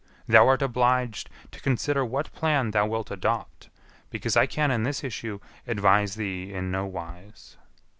Thou art obliged to consider what plan thou wilt adopt, because I can in this issue advise thee in nowise."